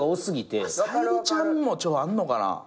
沙莉ちゃんもあんのかな？